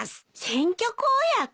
選挙公約？